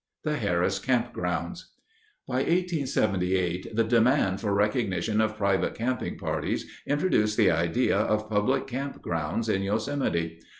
The Harris Camp Grounds By 1878, the demand for recognition of private camping parties introduced the idea of public camp grounds in Yosemite.